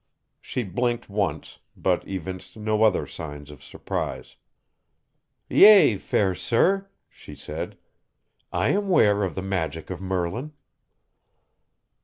She blinked once, but evinced no other signs of surprise. "Yea, fair sir," she said, "I am ware of the magic of Merlin."